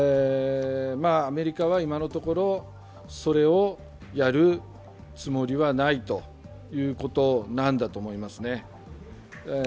アメリカは今のところ、それをやるつもりはないということなんだと思いますね。